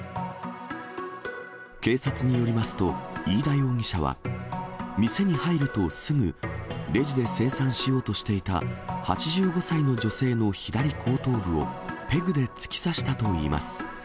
警察によりますと、飯田容疑者は店に入るとすぐ、レジで精算しようとしていた８５歳の女性の左後頭部を、ペグで突き刺したといいます。